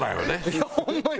いやホンマに！